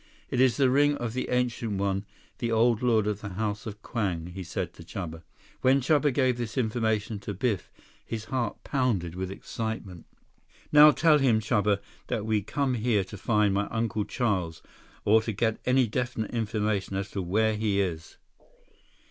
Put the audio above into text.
"It is the ring of the Ancient One, the Old Lord of the House of Kwang," he said to Chuba. When Chuba gave this information to Biff, his heart pounded with excitement. "Now tell him, Chuba, that we come here to find my Uncle Charles, or to get any definite information as to where he is."